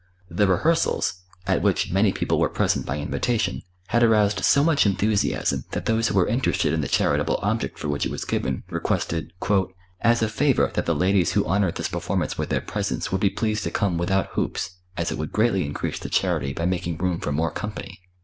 The rehearsals, at which many people were present by invitation, had aroused so much enthusiasm, that those who were interested in the charitable object for which it was given, requested "as a favor that the ladies who honor this performance with their presence would be pleased to come without hoops, as it would greatly increase the charity by making room for more company."